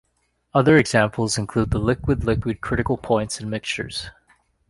Other examples include the liquid-liquid critical points in mixtures.